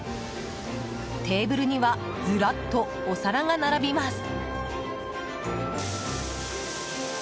テーブルにはずらっと、お皿が並びます。